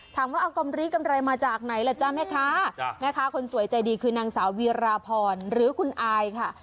ถามว่าเอากำลีกำไรมาจากไหนล่ะจ๊ะแม่ค้าแม่ค้าคนสวยใจดีคือนางสาววีราพรหรือคุณอายค่ะ